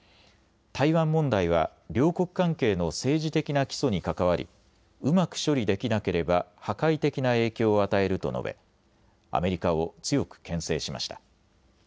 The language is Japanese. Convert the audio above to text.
台湾問題は両国関係の政治的な基礎に関わり、うまく処理できなければ破壊的な影響を与えると述べアメリカを強くけん制しました。